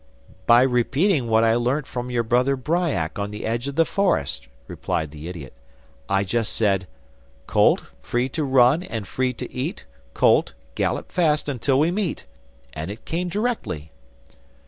'By repeating what I learnt from your brother Bryak on the edge of the forest,' replied the idiot. 'I just said Colt, free to run and free to eat, Colt, gallop fast until we meet, and it came directly.